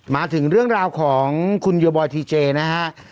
มาถึงเรื่องราวของคุณโยบอยทีเจนะฮะ